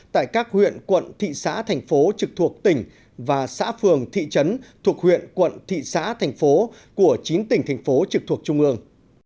tại các huyện quận thị xã thành phố trực thuộc tỉnh và xã phường thị trấn thuộc huyện quận thị xã thành phố của chín tỉnh thành phố trực thuộc trung ương